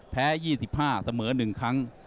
๒๕เสมอ๑ครั้ง